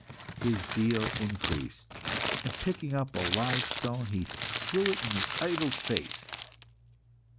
His zeal increased, and picking up a large stone, he threw it in the idol's face.